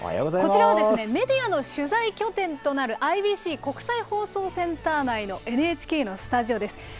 こちらはメディアの取材拠点となる、ＩＢＣ・国際放送センター内のＮＨＫのスタジオです。